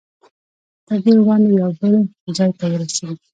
تر دې وړاندې یو بل ځای ته ورسېدو.